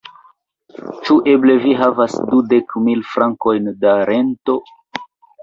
Ĉu eble vi havas dudek mil frankojn da rento?